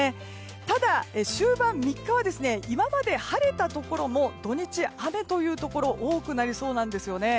ただ、終盤３日は今まで晴れたところも土日、雨というところ多くなりそうなんですよね。